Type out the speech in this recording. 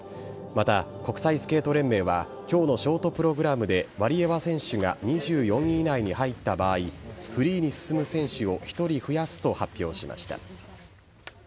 また、国際スケート連盟はきょうのショートプログラムで、ワリエワ選手が２４位以内に入った場合、フリーに進む選手を１人増やすと発表しました。